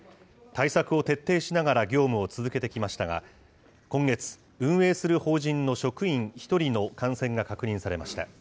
対策を徹底しながら業務を続けてきましたが、今月、運営する法人の職員１人の感染が確認されました。